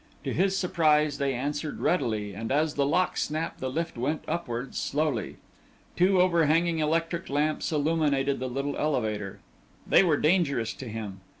To his surprise they answered readily, and as the lock snapped the lift went upwards slowly. Two overhanging electric lamps illuminated the little elevator. They were dangerous to him.